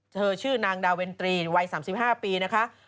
ชื่อนางดาเวนตรีวัย๓๕ปีนะคะ